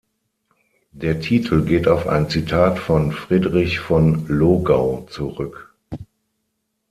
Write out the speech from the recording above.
Der Titel geht auf ein Zitat von Friedrich von Logau zurück.